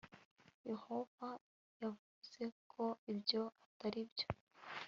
Hoover yavuze ko ibyo atari byo